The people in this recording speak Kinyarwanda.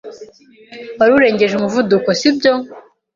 Wari urengeje umuvuduko, sibyo?